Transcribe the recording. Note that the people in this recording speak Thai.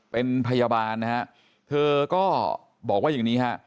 เป็นพยาบาลนะฮะเธอก็บอกว่าอย่างนี้ฮะ